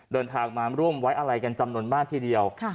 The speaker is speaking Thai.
เดินทางมาร่วมไว้อะไรกันจำนวนมากทีเดียว